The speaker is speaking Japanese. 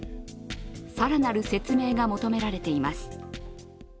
更なる説明が求められています。